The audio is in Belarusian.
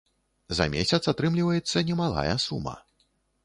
За месяц атрымліваецца немалая сума.